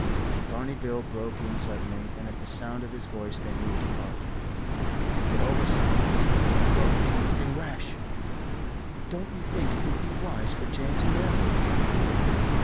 Barney Bill broke in suddenly; and at the sound of his voice they moved apart. "Think over it, sonny. Don't go and do anything rash." "Don't you think it would be wise for Jane to marry me?"